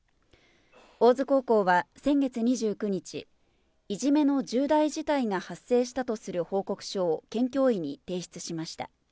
大津高校は先月２９日、いじめの重大事態が発生したとする報告書を県教委に提出しました。